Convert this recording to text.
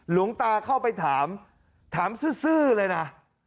หลวงตาเข้าไปถามถามซื่อเลยนะ